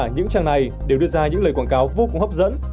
những trang này đều đưa ra những lời quảng cáo vô cùng hấp dẫn